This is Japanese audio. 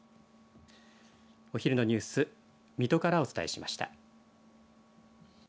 お昼のニュース水戸からお伝えしました。